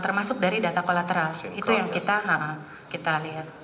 termasuk dari data kolateral itu yang kita lihat